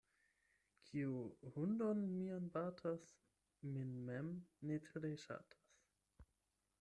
Kiu hundon mian batas, min mem ne tre ŝatas.